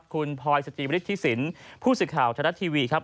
คุณพลอยสติวิทธิสินผู้สิทธิ์ข่าวธรรมดาทีวีครับ